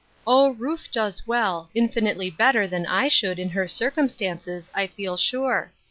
Oh, Ruth does well ; infinitely better than I should, in her circumstances, I feel sure.